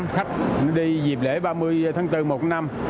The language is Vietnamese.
khách đi dịp lễ ba mươi tháng bốn một năm